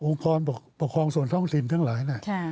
องค์พรปกครองส่วนท่องสินทั้งหลาย